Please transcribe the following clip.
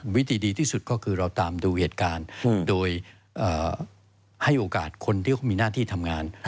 วิธีดีที่สุดก็คือเราตามดูเหตุการณ์โดยให้โอกาสคนที่เขามีหน้าที่ทำงาน